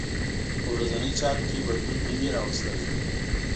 په ورځنۍ چارو کې بدلون نه وي راوستلی.